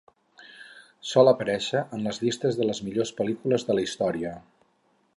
Sol aparèixer en les llistes de les millors pel·lícules de la història.